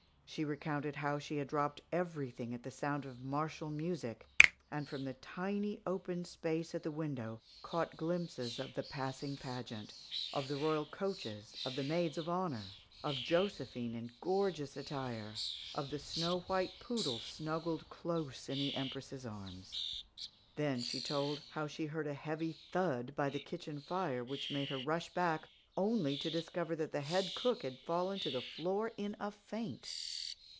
She recounted how she had dropped everything at the sound of martial music and from the tiny open space at the window caught glimpses of the passing pageant of the royal coaches, of the maids of honor, of Josephine in gorgeous attire, of the snow white poodle snuggled close in the Empress's arms. Then she told how she heard a heavy thud by the kitchen fire, which made her rush back, only to discover that the head cook had fallen to the floor in a faint!